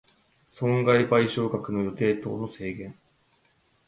損害賠償額の予定等の制限